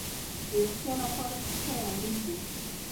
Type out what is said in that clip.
د روغتیا لپاره څه شی اړین دي؟